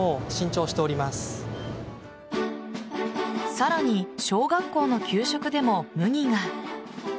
さらに、小学校の給食でも麦が。